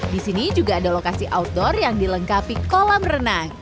di sini juga ada lokasi outdoor yang dilengkapi kolam renang